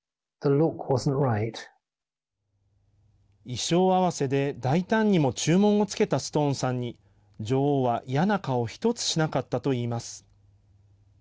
衣装合わせで大胆にも注文をつけたストーンさんに女王は嫌な顔１つしなかったといいます。